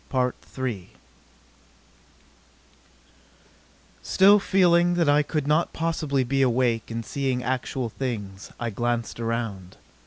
Still feeling that I could not possibly be awake and seeing actual things, I glanced around.